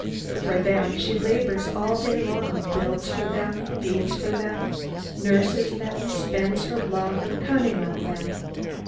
For them she labours all day long, builds for them, feeds them, nurses them, spends her love and cunning on them.